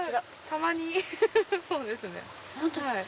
たまにそうですね。